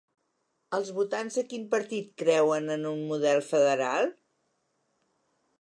Els votants de quin partit creuen en un model federal?